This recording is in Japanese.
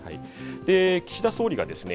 岸田総理がですね